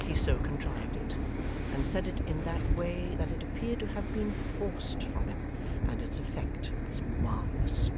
He so contrived it, and said it in that way that it appeared to have been forced from him, and its effect was marvellous.